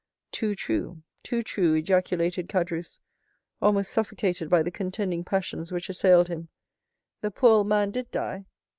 "Too true, too true!" ejaculated Caderousse, almost suffocated by the contending passions which assailed him, "the poor old man did die."